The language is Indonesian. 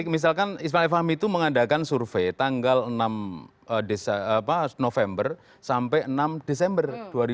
misalkan ismail fahmi itu mengadakan survei tanggal enam november sampai enam desember dua ribu dua puluh